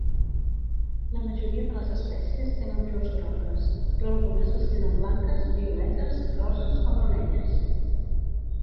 La majoria de les espècies tenen flors grogues, però algunes les tenen blanques, violetes, roses o vermelles.